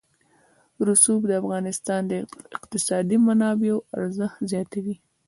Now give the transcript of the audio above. رسوب د افغانستان د اقتصادي منابعو ارزښت زیاتوي.